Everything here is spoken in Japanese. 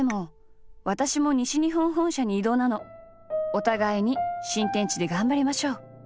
お互いに新天地でがんばりましょう。